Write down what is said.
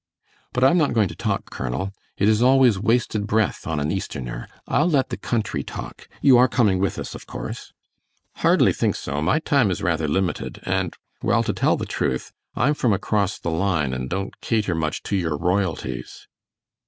But I'm not going to talk, Colonel. It is always wasted breath on an Easterner. I'll let the country talk. You are coming with us, of course." "Hardly think so; my time is rather limited, and, well, to tell the truth; I'm from across the line and don't cater much to your royalties."